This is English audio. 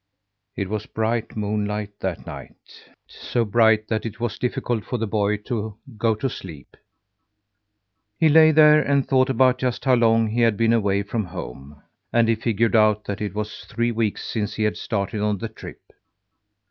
It was bright moonlight that night; so bright that it was difficult for the boy to go to sleep. He lay there and thought about just how long he had been away from home; and he figured out that it was three weeks since he had started on the trip.